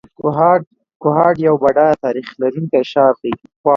کوهاټ یو بډایه تاریخ لرونکی ښار دی.